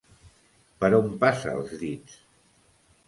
Per on passa els dits?